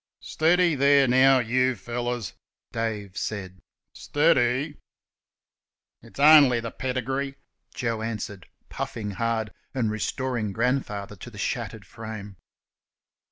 "Steady there, now, you fellers!" Dave said; "steady!" "It's only th' pedigree," Joe answered, puffing hard, and restoring grandfather to the shattered frame.